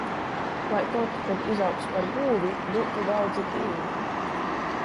Lai tod, kod izaugs par gūvi, dūtu daudzi pīna.